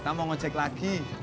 kita mau ngecek lagi